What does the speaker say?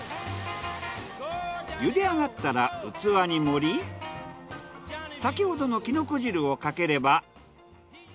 茹で上がったら器に盛り先ほどのキノコ汁をかければ。